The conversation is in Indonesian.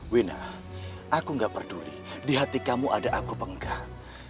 wina aku gak peduli di hati kamu ada aku penggal